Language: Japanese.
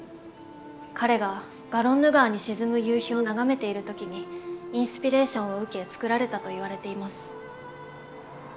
彼がガロンヌ川に沈む夕日を眺めている時にインスピレーションを受け作られたといわれています。